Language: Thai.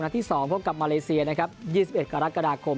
นักที่สองพบกับมาเลเซีย๒๑กรกฎาคม